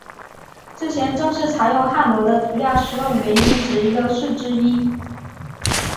这些正是采用汉罗的主要使用原因及优势之一。